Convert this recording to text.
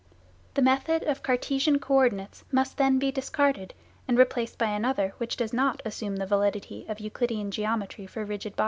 The method of Cartesian coordinates must then be discarded, and replaced by another which does not assume the validity of Euclidean geometry for rigid bodies.